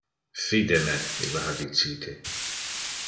Fide me, ille ha dicite.